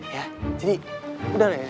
ya jadi udah deh